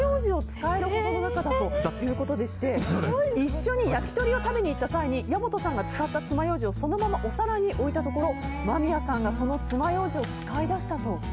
だということでして一緒に焼き鳥を食べに行った際に矢本さんが使ったつまようじをそのままお皿に置いたところ間宮さんがそのつまようじを使いだしたと。